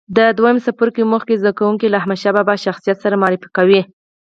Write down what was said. د دویم څپرکي موخې زده کوونکي له احمدشاه بابا شخصیت سره معرفي کوي.